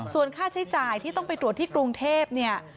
ส่วนค่าใช้จ่ายที่ต้องไปตรวจที่กรุงเทพเนี่ย